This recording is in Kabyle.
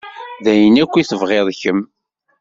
D ayen akk tebɣiḍ kemm.